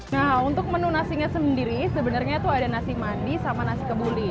nah untuk menu nasinya sendiri sebenarnya itu ada nasi mandi sama nasi kebuli